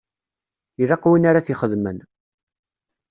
Ilaq win ara t-ixedmen.